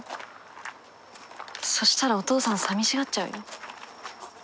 そしたらお父さん寂しがっちゃうよ。